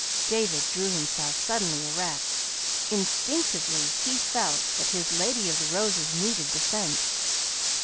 David drew himself suddenly erect. Instinctively he felt that his Lady of the Roses needed defense.